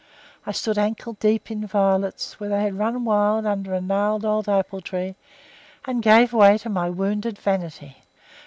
I stood ankle deep in violets, where they had run wild under a gnarled old apple tree, and gave way to my wounded vanity.